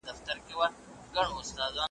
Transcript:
لا له ځان سره بوڼیږي چي تنها وي .